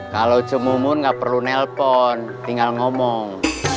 kalau cemumun nggak perlu nelpon tinggal ngomong